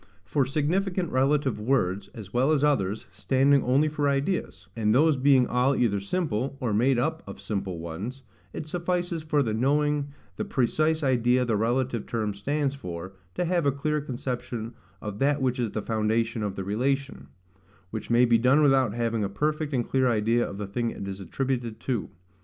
For significant relative words, as well as others, standing only for ideas; and those being all either simple, or made up of simple ones, it suffices for the knowing the precise idea the relative term stands for, to have a clear conception of that which is the foundation of the relation; which may be done without having a perfect and clear idea of the thing it is attributed to.